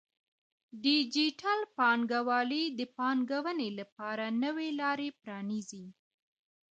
ډیجیټل بانکوالي د پانګونې لپاره نوې لارې پرانیزي.